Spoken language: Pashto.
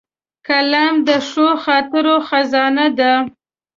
قلم د ښو خاطرو خزانه ده